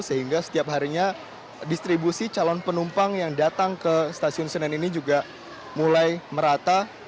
sehingga setiap harinya distribusi calon penumpang yang datang ke stasiun senen ini juga mulai merata